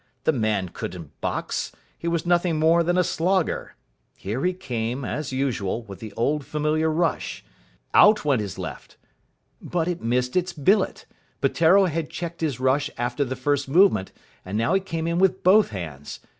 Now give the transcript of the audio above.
The man couldn't box. He was nothing more than a slogger. Here he came, as usual, with the old familiar rush. Out went his left. But it missed its billet. Peteiro had checked his rush after the first movement, and now he came in with both hands.